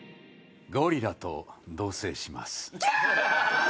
ゴリラと同棲します。